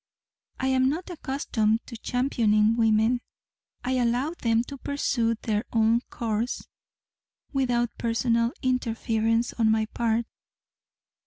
I am not accustomed to championing women. I allow them to pursue their own course without personal interference on my part.